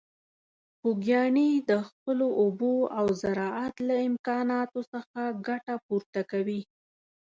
خوږیاڼي د خپلو اوبو او زراعت له امکاناتو څخه ګټه پورته کوي.